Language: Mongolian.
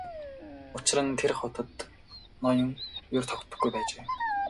Учир нь тэр хотод ноён ер тогтдоггүй байжээ.